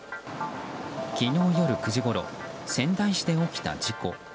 昨日夜９時ごろ仙台市で起きた事故。